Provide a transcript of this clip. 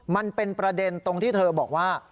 มันเป็นประเด็นตรงที่เธอบอกว่า